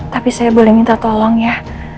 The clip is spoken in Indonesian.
tapi saya boleh minta tolong ya